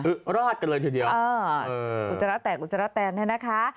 อุจจาระแตกอุจจาระแตนนะคะ